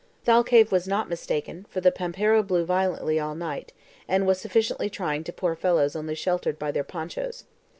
Thalcave was not mistaken, for the PAMPERO blew violently all night, and was sufficiently trying to poor fellows only sheltered by their ponchos.